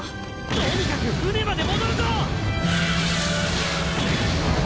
とにかく船まで戻るぞ！